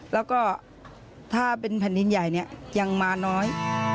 แล้วก็ถ้าเป็นแผ่นดินใหญ่เนี่ยยังมาน้อย